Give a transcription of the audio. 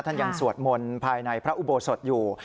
ท่านยังสวดมนต์ภายในพระอุโบสถอยู่